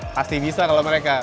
pasti bisa kalo mereka